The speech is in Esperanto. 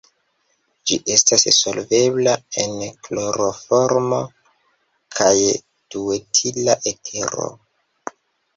Ĝi esta nesolvebla en kloroformo kaj duetila etero.